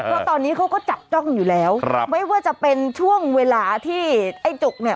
เพราะตอนนี้เขาก็จับจ้องอยู่แล้วครับไม่ว่าจะเป็นช่วงเวลาที่ไอ้จุกเนี่ย